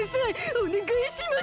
おねがいします！